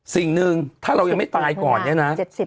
สิ่งหนึ่งถ้าเรายังไม่ตายก่อนเนี่ยนะ๗๐หน้ากันนะ๗๐เลย